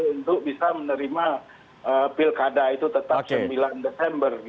untuk bisa menerima pilkada itu tetap sembilan desember